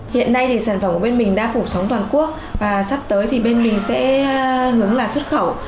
hiện nay thì sản phẩm của bên mình đã phủ sóng toàn quốc và sắp tới thì bên mình sẽ hướng là xuất khẩu